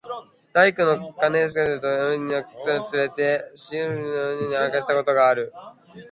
大工の兼公と肴屋の角をつれて、茂作の人参畠をあらした事がある。